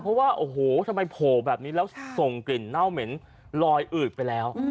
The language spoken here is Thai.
เพราะว่าโอ้โหทำไมโผล่แบบนี้แล้วส่งกลิ่นเน่าเหม็นลอยอืดไปแล้ว